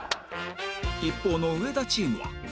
一方の上田チームは